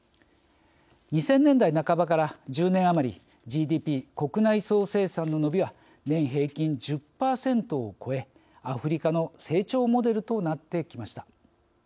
２０００年代半ばから１０年余りＧＤＰ＝国内総生産の伸びは年平均１０％を超えアフリカの成長モデルとなってきました。